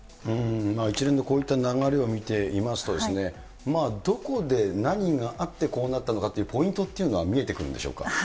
一連のこういった流れを見ていますと、どこで何があってこうなったのかというポイントっていうのは見えてくるんでしょうか。